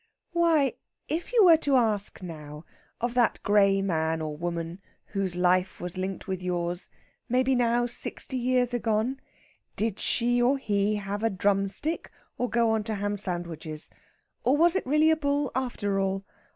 Why, if you were to ask now, of that grey man or woman whose life was linked with yours, maybe now sixty years agone, did he or she have a drumstick, or go on to ham sandwiches? or, was it really a bull, after all?